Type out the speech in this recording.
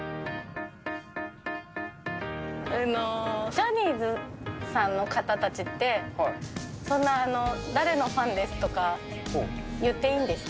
ジャニーズさんの方たちって、そんな誰のファンですとか、言っていいんですか？